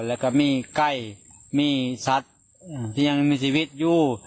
แล้วก็มีใกล้มีสัตว์ที่ไม่มีสิมีสอยู่